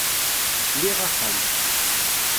Liɣ axxam.